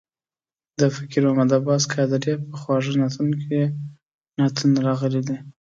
د فقیر محمد عباس قادریه په خواږه نعتونه کې یې نعتونه راغلي دي.